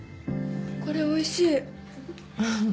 これおいしい